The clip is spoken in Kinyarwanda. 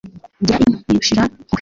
gira inka mushira-mpuhwe